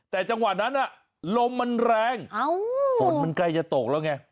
แต่จังหวะนั้นลมมันแรงฝนมันใกล้จะตกแล้วไง